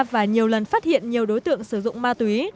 và nhiều lần phát hiện nhiều đối tượng sử dụng ma túy